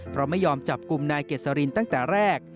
เพราะไม่ยอมจับกลุ่มนายเกษรินตั้งแต่แรก